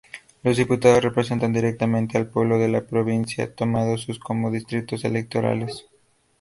Los diputados representan directamente al pueblo de la Provincia, tomando sus como distritos electorales.